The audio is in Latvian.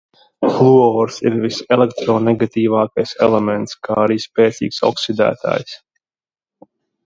Fluors ir viselektronegatīvākais elements, kā arī spēcīgs oksidētājs.